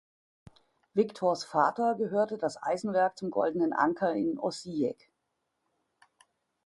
Victors Vater gehörte das Eisenwerk „Zum goldenen Anker“ in Osijek.